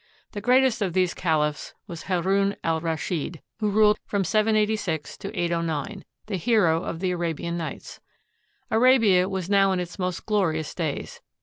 The greatest of these caliphs was Haroun al Rashid, who ruled from 786 to 809, the hero of the "Arabian Nights." Arabia was now in its most glorious days.